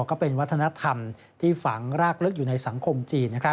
ก็เป็นวัฒนธรรมที่ฝังรากลึกอยู่ในสังคมจีน